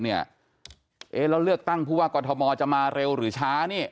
แล้วเลือกตั้งผู้ว่ากอทมจะมาเร็วหรือช้านี่